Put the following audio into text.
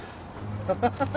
ハハハハ。